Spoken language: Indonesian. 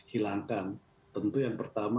hilangkan tentu yang pertama